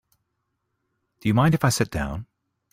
Do you mind if I sit down?